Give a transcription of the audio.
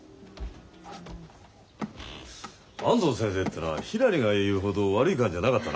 安藤先生っていうのはひらりが言うほど悪い感じじゃなかったな。